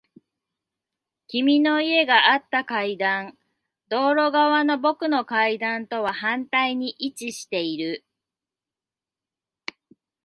君の家があった階段。道路側の僕の階段とは反対に位置している。